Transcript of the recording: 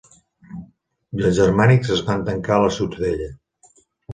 I els germànics es van tancar a la ciutadella.